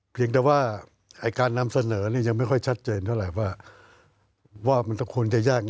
เพียงแต่ว่าการนำเสนอนี่ยังไม่ค่อยชัดเจนเท่าไหร่ว่ามันควรจะยาก